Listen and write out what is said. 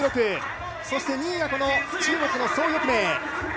そして２位が中国の蘇翊鳴。